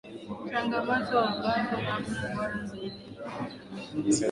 Changamoto ambazo namna bora zaidi ya kukabiliana nazo ni kwa ushirikiano